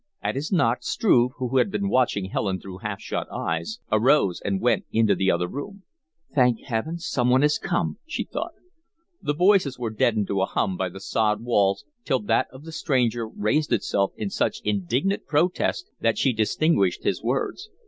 At his knock, Struve, who had been watching Helen through half shut eyes, arose and went into the other room. "Thank Heaven, some one has come," she thought. The voices were deadened to a hum by the sod walls, till that of the stranger raised itself in such indignant protest that she distinguished his words.